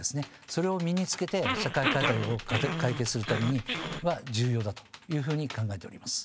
それを身につけて社会課題を解決するためには重要だというふうに考えております。